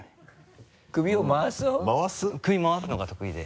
首回すのが得意で。